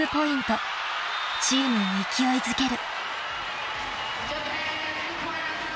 ［チームを勢いづける］